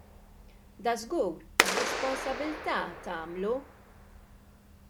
Dażgur, b'responsabbiltà tagħmlu!